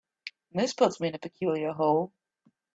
This puts me in a peculiar hole.